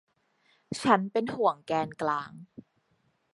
ฉันเป็นห่วงแกนกลาง